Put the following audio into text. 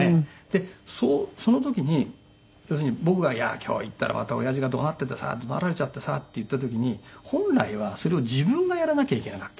でその時に要するに僕が「いや今日行ったらまたおやじが怒鳴っててさ」「怒鳴られちゃってさ」って言った時に本来はそれを自分がやらなきゃいけなかった。